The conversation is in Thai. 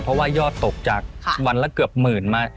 เพราะว่ายอดตกจากวันละเกือบหมื่นมา